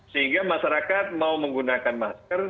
sehingga masyarakat mau menggunakan masker